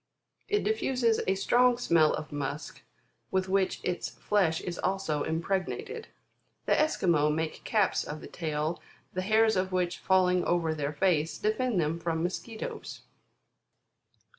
It diffuses a strong smell of musk with which its flesh is also impregnated. The Esquimaux make caps of the tail, the hairs of which falling over their face, defend them from mosquitoes.